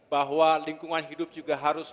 bahwa lingkungan hidup juga harus